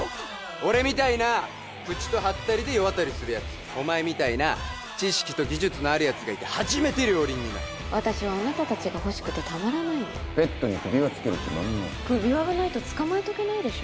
俺みたいな口とハッタリで世渡りするやつお前みたいな知識と技術のあるやつがいて初めて両輪になる私はあなた達が欲しくてたまらないのペットに首輪つける気満々首輪がないと捕まえておけないでしょ